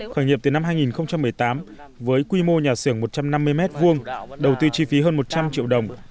khởi nghiệp từ năm hai nghìn một mươi tám với quy mô nhà xưởng một trăm năm mươi m hai đầu tư chi phí hơn một trăm linh triệu đồng